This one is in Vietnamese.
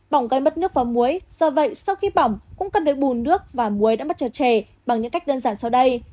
bỏng gây mất nước và muối do vậy sau khi bỏng cũng cần phải bù nước và muối đã mất cho trẻ bằng những cách đơn giản sau đây